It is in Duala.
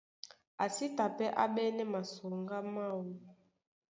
A sí ta pɛ́ á ɓɛ́nɛ́ masoŋgá máō.